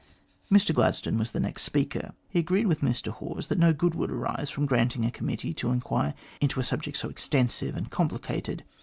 Mr Gladstone was the next speaker. He agreed with Mr Hawes that no good would arise from granting a com mittee to enquire into a subject so extensive and complicated.